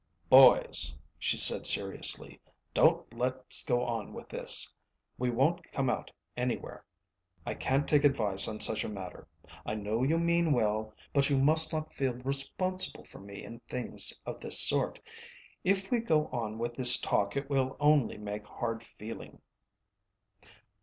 "Boys," she said seriously, "don't let's go on with this. We won't come out anywhere. I can't take advice on such a matter. I know you mean well, but you must not feel responsible for me in things of this sort. If we go on with this talk it will only make hard feeling."